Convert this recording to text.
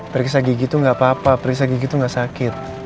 periksa gigi tuh gak apa apa periksa gigi tuh gak sakit